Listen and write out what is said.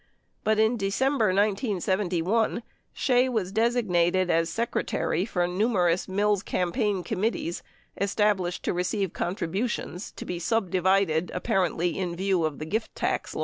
But in December 1971, Shea was desig nated as Secretary for numerous Mills campaign committees estab lished to receive contributions to be subdivided apparently in view of the gift tax laws.